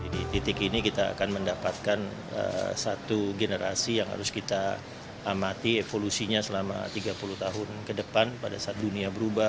di titik ini kita akan mendapatkan satu generasi yang harus kita amati evolusinya selama tiga puluh tahun ke depan pada saat dunia berubah